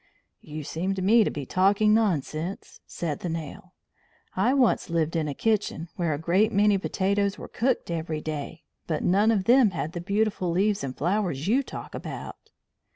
"You seem to me to be talking nonsense," said the nail. "I once lived in a kitchen, where a great many potatoes were cooked every day, but none of them had the beautiful leaves and flowers you talk about."